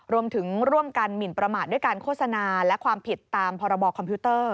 รวมถึงร่วมกันหมินประมาทด้วยการโฆษณาและความผิดตามพรบคอมพิวเตอร์